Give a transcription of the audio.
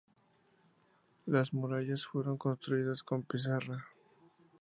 Las murallas fueron construidas con pizarra.